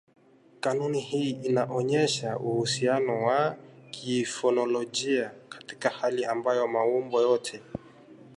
Kanuni hii inaonyesha uhusiano wa kifonolojia katika hali ambayo maumbo yote